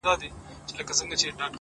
د عمل نشتون فرصتونه له منځه وړي’